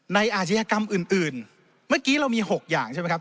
อาชญากรรมอื่นเมื่อกี้เรามี๖อย่างใช่ไหมครับ